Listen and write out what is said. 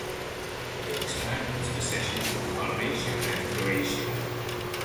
They expanded its possessions in Dalmatia and Croatia.